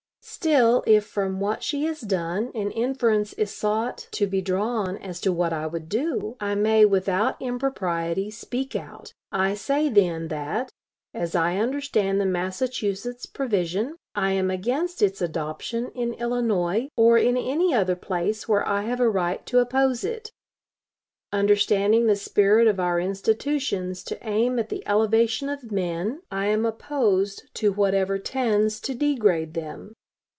Still, if from what she has done, an inference is sought to be drawn as to what I would do, I may, without impropriety, speak out, I say then, that, as I understand the Massachusetts provision, I am against its adoption in Illinois, or in any other place where I have a right to oppose it. Understanding the spirit of our institutions to aim at the elevation of men, I am opposed to whatever tends to degrade them.